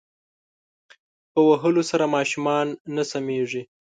په وهلو سره ماشومان نه سمیږی